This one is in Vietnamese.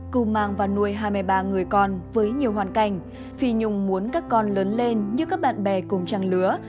cưu mang và nuôi hai mươi ba người con với nhiều hoàn cảnh phi nhung muốn các con lớn lên như các bạn bè cùng trang lứa